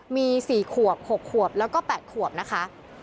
มี๔ขวบ๖ขวบแล้วก็๘ขวบนะคะ